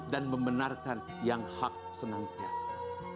membenarkan yang hak senantiasa